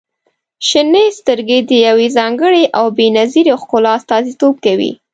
• شنې سترګې د يوې ځانګړې او بې نظیرې ښکلا استازیتوب کوي.